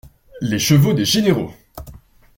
Les chevaux des généraux!